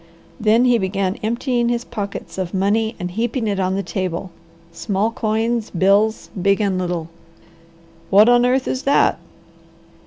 Then he began emptying his pockets of money and heaping it on the table, small coins, bills, big and little. "What on earth is that?"